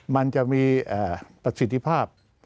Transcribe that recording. มันจะมีประสิทธิภาพ